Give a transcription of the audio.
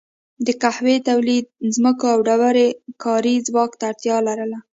د قهوې تولید ځمکو او ډېر کاري ځواک ته اړتیا لرله.